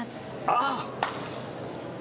ああ